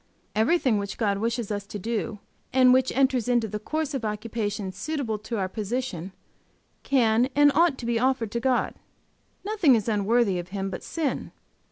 Everything which God wishes us to do, and which enters into the course of occupation suitable to our position, can and ought to be offered to God; nothing is unworthy of Him but sin.